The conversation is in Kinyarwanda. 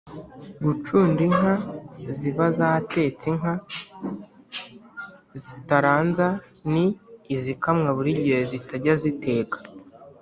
gucunda inka ziba zatetse inka zitaranza ni izikamwa buri gihe zitajya ziteka